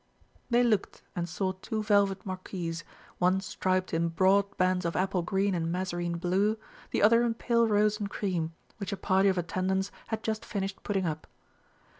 They looked and saw two velvet Marquees, one striped in broad bands of apple green and mazarine blue, the other in pale rose and cream, which a party of attendants had just finished putting up.